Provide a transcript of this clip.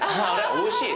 おいしい？